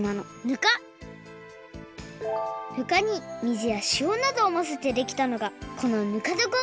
ぬかにみずやしおなどをのせてできたのがこのぬかどこ。